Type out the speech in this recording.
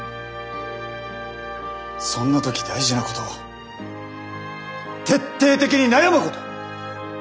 そんな時大事なことは徹底的に悩むこと。